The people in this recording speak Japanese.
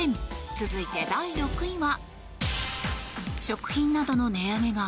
続いて第６位は。